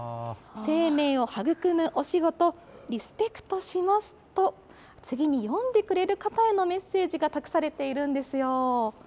生命を育むお仕事、リスペクトしますと、次に読んでくれる方へのメッセージが託されているんですよ。